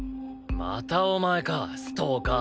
またお前かストーカー。